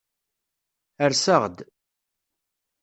Rseɣ-d.